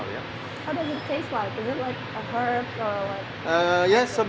apakah itu seperti hirup